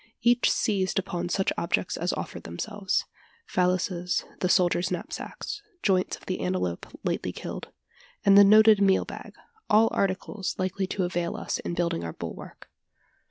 Each seized upon such objects as offered themselves valises, the soldiers' knapsacks, joints of the antelope lately killed, and the noted meal bag all articles likely to avail us in building our bulwark.